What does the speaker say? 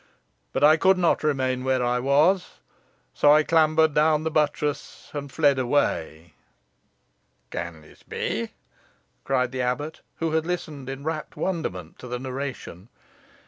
But I could not remain where I was, so I clambered down the buttress, and fled away." "Can this be?" cried the abbot, who had listened in rapt wonderment to the narration.